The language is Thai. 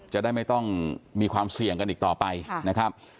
จะได้ไม่ต้องมีความเสี่ยงกันอีกต่อไปนะครับ